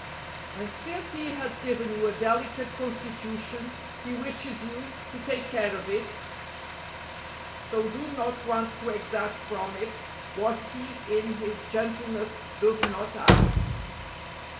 And since He has given you a delicate constitution He wishes you to take care of it, so do not want to exact from it what He in His gentleness does not ask.